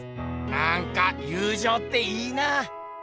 なんか友じょうっていいなあ。